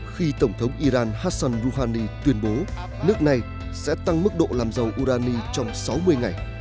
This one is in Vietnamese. khi tổng thống iran hassan rouhani tuyên bố nước này sẽ tăng mức độ làm dầu urani trong sáu mươi ngày